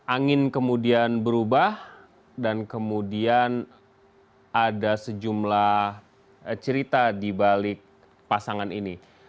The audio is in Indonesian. angin kemudian berubah dan kemudian ada sejumlah cerita di balik pasangan ini